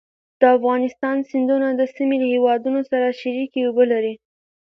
د افغانستان سیندونه د سیمې له هېوادونو سره شریکې اوبه لري.